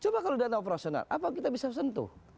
coba kalau dana operasional apa kita bisa sentuh